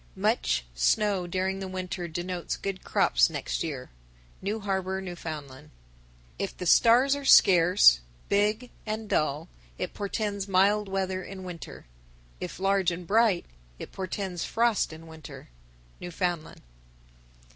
987. Much snow during the winter denotes good crops next year. New Harbor, N.F. 988. If the stars are scarce, big, and dull, it portends mild weather in winter. If large and bright, it portends frost in winter. _Newfoundland.